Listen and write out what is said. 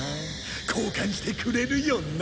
交換してくれるよな？